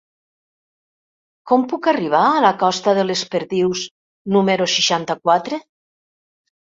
Com puc arribar a la costa de les Perdius número seixanta-quatre?